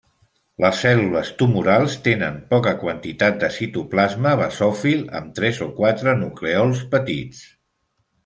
Les cèl·lules tumorals tenen poca quantitat de citoplasma basòfil amb tres o quatre nuclèols petits.